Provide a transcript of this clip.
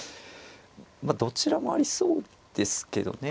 まあどちらもありそうですけどね。